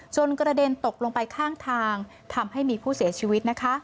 กระเด็นตกลงไปข้างทางทำให้มีผู้เสียชีวิตนะคะ